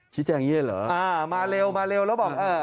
ชี้แจ้งเง่นเหรออ่ามาเร็วแล้วบอก